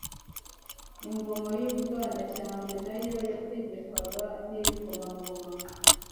Ingoma y'u Bwanacyambwe nayo yategekwaga n'Ibikomangoma